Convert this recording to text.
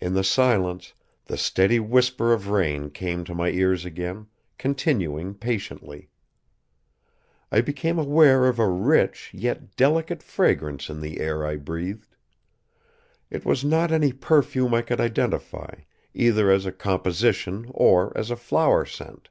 In the silence, the steady whisper of rain came to my ears again, continuing patiently. I became aware of a rich yet delicate fragrance in the air I breathed. It was not any perfume I could identify, either as a composition or as a flower scent.